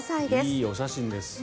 いいお写真です。